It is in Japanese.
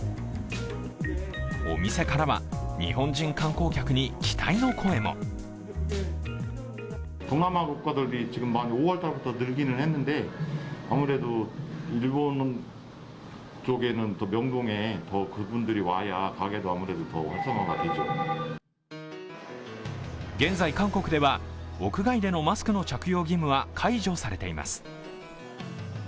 お店からは、日本人観光客に期待の声も現在、韓国では屋外でのマスクの着用義務は解除されています。